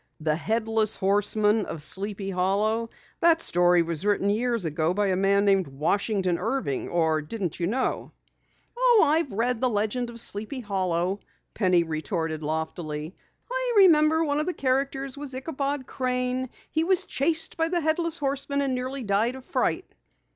"The Headless Horseman of Sleepy Hollow! That story was written years ago by a man named Washington Irving. Or didn't you know?" "Oh, I've read the 'Legend of Sleepy Hollow,'" Penny retorted loftily. "I remember one of the characters was Ichabod Crane. He was chased by the Headless Horseman and nearly died of fright."